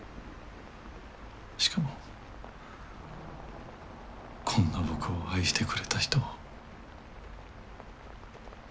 しかもこんな僕を愛してくれた人を。